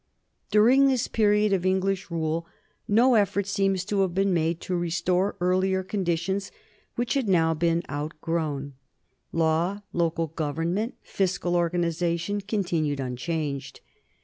During this period of English rule no effort seems to have been made to restore earlier conditions which had now been outgrown: law, local government, fiscal organization continued unchanged.